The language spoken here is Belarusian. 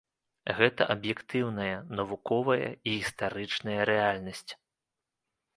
Гэта аб'ектыўная, навуковая і гістарычная рэальнасць.